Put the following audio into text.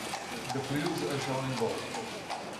The "fleuves" are shown in bold.